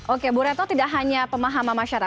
oke bu retno tidak hanya pemahaman masyarakat